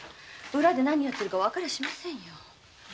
裏で何をやってるかわかりゃしませんよ。